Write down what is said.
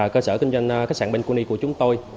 cơ sở kinh doanh khách sạn bini của chúng tôi